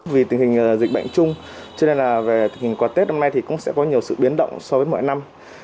vì tình hình dịch bệnh chung cho nên là về tình hình quà tết năm nay thì cũng sẽ có nhiều sự biến động so với mọi năm